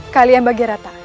kalian bagi rata